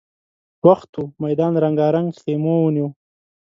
وخت ووت، ميدان رنګارنګ خيمو ونيو.